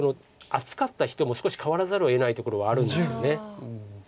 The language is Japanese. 厚かった人も少し変わらざるをえないところはあるんですよね。